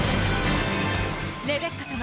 レベッカ様。